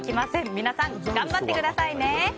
皆さん、頑張ってくださいね。